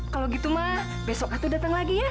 kalau gitu ma besok atuh datang lagi ya